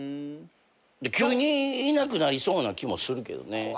急にいなくなりそうな気もするけどね。